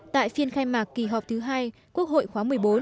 tại phiên khai mạc kỳ họp thứ hai quốc hội khóa một mươi bốn